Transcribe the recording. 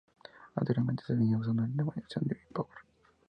Anteriormente se venía usando la denominación Bi-Power.